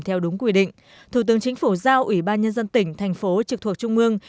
theo đúng quy định thủ tướng chính phủ giao ủy ban nhân dân tỉnh thành phố trực thuộc trung ương